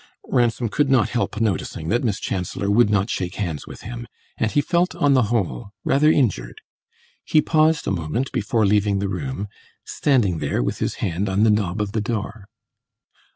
Ransom could not help noticing that Miss Chancellor would not shake hands with him, and he felt, on the whole, rather injured. He paused a moment before leaving the room standing there with his hand on the knob of the door.